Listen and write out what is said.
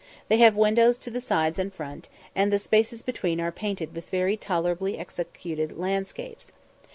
They have windows to the sides and front, and the spaces between are painted with very tolerably executed landscapes.